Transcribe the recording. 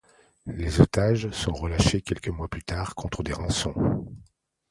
Les otages sont relâchés quelques mois plus tard contre des rançons.